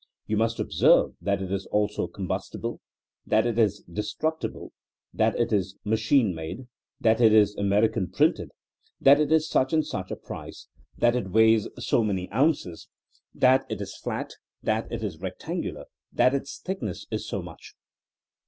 You must observe that it is also combustible, that it is destructi ble, that it is machine made, that it is Amer ican printed, that it is such and such a price, that it weighs so many ounces, that it is flat. 26 THINEINa AS A SOIENOE that it is rectangular, that its thickness is so much.